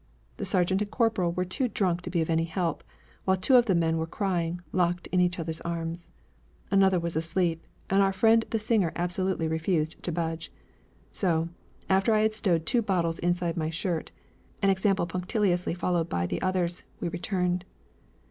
The sergeant and corporal were too drunk to be of any help, while two of the men were crying, locked in each others' arms. Another was asleep, and our friend the singer absolutely refused to budge. So, after I had stowed two bottles inside my shirt (an example punctiliously followed by the others), we returned.